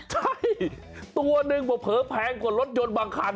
ใช่ตัวหนึ่งเผลอแพงกว่ารถยนต์บางคัน